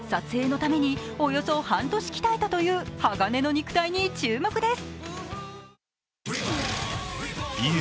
撮影のためにおよそ半年鍛えたという鋼の肉体に注目です。